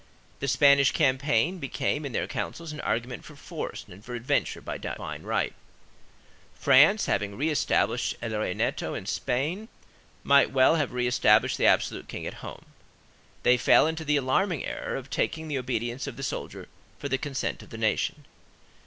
The Spanish campaign became in their counsels an argument for force and for adventures by right Divine. France, having re established el rey netto in Spain, might well have re established the absolute king at home. They fell into the alarming error of taking the obedience of the soldier for the consent of the nation.